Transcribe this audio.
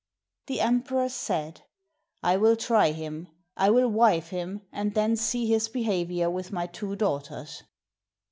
The emperor said, "I will try him! I will wive him, and then see his behavior with my two daughters."